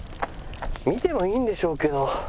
見てもいいんでしょうけど。